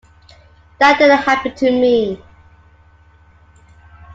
That didn't happen to me.